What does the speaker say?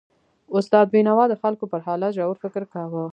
استاد بینوا د خلکو پر حالت ژور فکر کاوه.